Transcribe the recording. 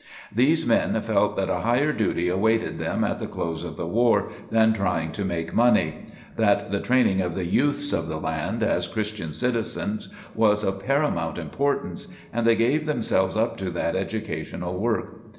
These men felt that a higher duty awaited them at the close of the war, than trying to make money, that the training of the youths of the land as Christian citizens was of paramount importance, and they gave themselves up to that educational work.